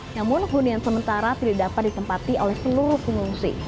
namun hunian sementara tidak dapat ditempati oleh seluruh pengungsi